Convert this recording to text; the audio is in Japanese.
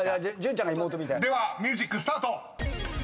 ［ではミュージックスタート！］